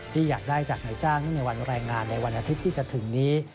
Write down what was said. อยากได้จากนายจ้างเนื่องในวันแรงงานในวันอาทิตย์ที่จะถึงนี้